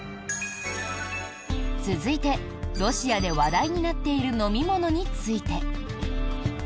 続いてロシアで話題になっている飲み物について。